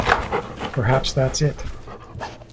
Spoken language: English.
Perhaps that's it.